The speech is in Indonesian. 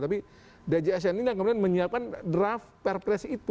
tapi djsn ini yang kemudian menyiapkan draft perpres itu